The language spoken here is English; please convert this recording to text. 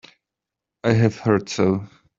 I have heard so.